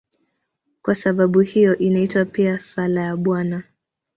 Kwa sababu hiyo inaitwa pia "Sala ya Bwana".